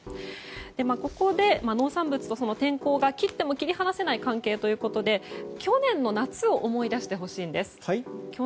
ここで農産物と天候が切っても切り離せない関係ということで去年の夏を思い出してほしいんです。